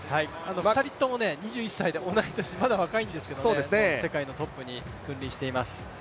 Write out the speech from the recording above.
２人とも２１歳でまだ若いんですけど世界のトップに君臨しています。